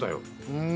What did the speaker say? うん。